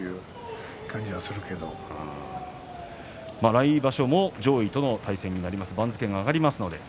来場所も上位との対戦になりますし番付が上がります。